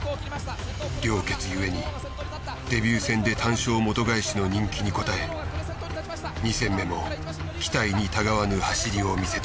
良血ゆえにデビュー戦で単勝元返しの人気に応え２戦目も期待にたがわぬ走りを見せた。